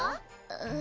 うん？